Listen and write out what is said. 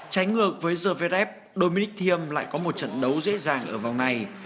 trái ngược với zverev dominic thiem lại có một trận đấu dễ dàng ở vòng này